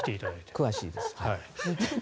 詳しいです。